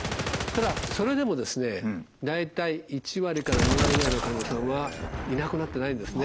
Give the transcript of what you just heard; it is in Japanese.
ただそれでも大体１割から２割ぐらいの患者さんはいなくなってないんですね。